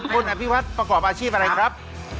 คุณอภิวัตรประกอบอาชีพอะไรครับ